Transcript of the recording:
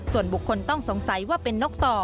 ส่วนบุคคลต้องสงสัยว่าเป็นนกต่อ